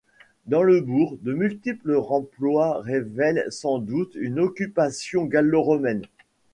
Dans le bourg de multiples remplois révèlent sans doute une occupation gallo-romaine.